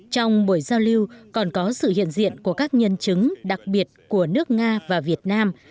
trong buổi giao lưu còn có sự hiện diện của các nhân chứng đặc biệt của nước nga và việt nam